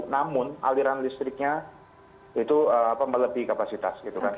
namun aliran listriknya itu melebihi kapasitas